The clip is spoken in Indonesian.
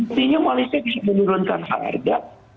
artinya malaysia bisa menurunkan harga